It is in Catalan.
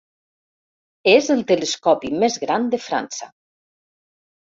És el telescopi més gran de França.